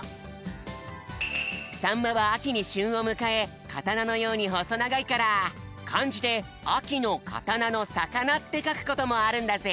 さんまはあきにしゅんをむかえかたなのようにほそながいからかんじであきのかたなのさかなってかくこともあるんだぜ。